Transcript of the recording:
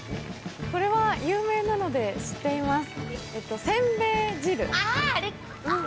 これは有名なので知っています。